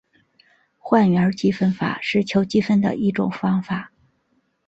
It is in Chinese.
换元积分法是求积分的一种方法。